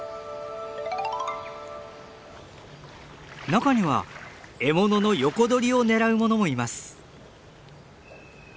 中には獲物の横取りを狙うものもいます。